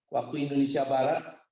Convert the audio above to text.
waktu indonesia barat